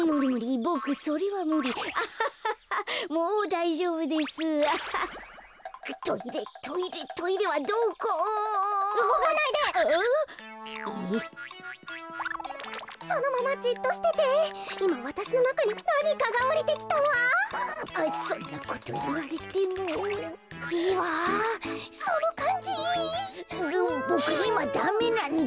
ボボクいまダメなんだ。